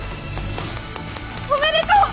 おめでとう！